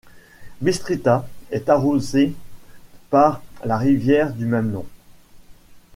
Bistrița est arrosée par la rivière du même nom.